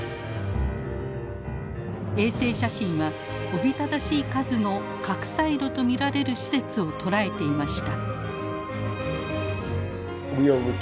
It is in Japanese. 衛星写真はおびただしい数の核サイロと見られる施設を捉えていました。